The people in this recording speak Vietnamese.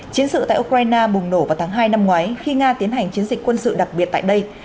chiến sự tại ukraine bùng nổ vào tháng hai năm ngoái khi nga tiến hành chiến dịch quân sự đặc biệt tại đây